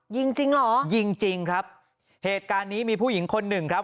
จริงจริงเหรอยิงจริงครับเหตุการณ์นี้มีผู้หญิงคนหนึ่งครับ